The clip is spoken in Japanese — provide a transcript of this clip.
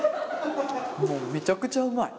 めちゃくちゃうまい。